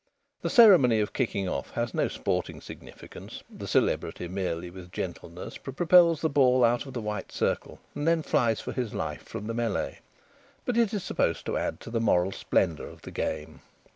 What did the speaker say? The ceremony of kicking off has no sporting significance; the celebrity merely with gentleness propels the ball out of the white circle and then flies for his life from the mêlée; but it is supposed to add to the moral splendour of the game.